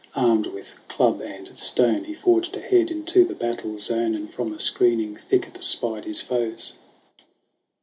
Armed with club and stone He forged ahead into the battle zone, And from a screening thicket spied his foes.